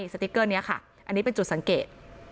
สติ๊กเกอร์นี้ค่ะอันนี้เป็นจุดสังเกต